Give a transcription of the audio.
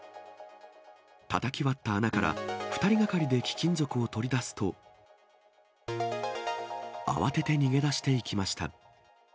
たたき割った穴から、２人がかりで貴金属を取り出すと、慌てて逃げ出していきました。